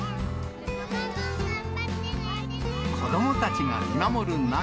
子どもたちが見守る中。